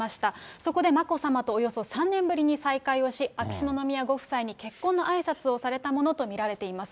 そこで眞子さまとおよそ３年ぶりに再会をし、秋篠宮ご夫妻に結婚のあいさつをされたものと見られています。